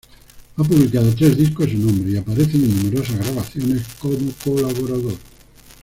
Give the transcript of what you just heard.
Ha publicado tres discos a su nombre, y aparece en numerosas grabaciones como colaborador.